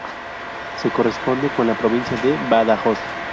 Se corresponde con la provincia de Badajoz.